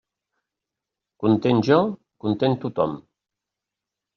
Content jo, content tothom.